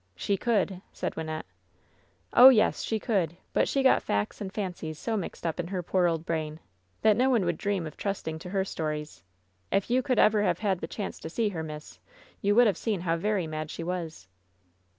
"She could," said Wynnette. "Oh, yes ! she could 1 But she got facts and fancies so mixed up in her poor old brain that no one would dream of trusting to her stories. If you could ever have had the chance to see her, miss, you would have seen how very mad she was."